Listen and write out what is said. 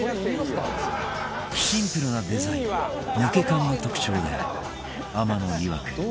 シンプルなデザイン抜け感が特徴で天野いわく